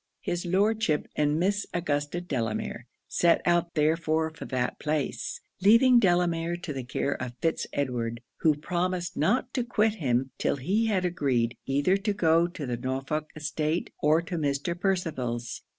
His Lordship and Miss Augusta Delamere set out therefore for that place; leaving Delamere to the care of Fitz Edward, who promised not to quit him 'till he had agreed either to go to the Norfolk estate or to Mr. Percival's.